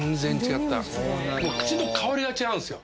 口の香りが違うんですよ